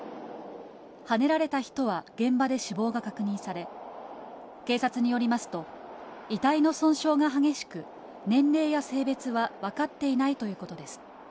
はねられた人は現場で死亡が確認され、警察によりますと、遺体の損傷が激しく、年齢や性別は分かっていないということです。